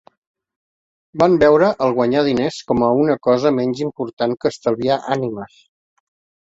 Van veure el guanyar diners com a una cosa menys important que estalviar ànimes.